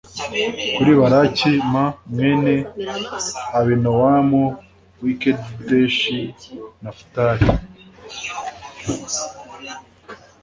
kuri Baraki m mwene Abinowamu w i Kedeshi Nafutali